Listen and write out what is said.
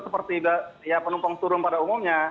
seperti penumpang turun pada umumnya